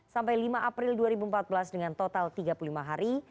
sampai lima april dua ribu empat belas dengan total tiga puluh lima hari